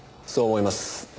そう思います。